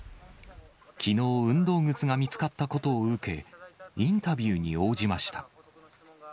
きのう、運動靴が見つかったことを受け、インタビューに応じました。